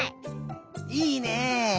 いいね！